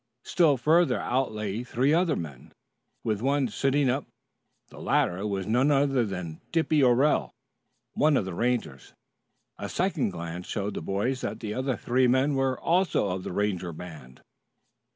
Still further out lay three other men, with one sitting up. The latter was none other than Dippy Orell, one of the Rangers. A second glance showed the boys that the other three men were also of the Ranger band.